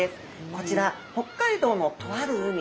こちら北海道のとある海。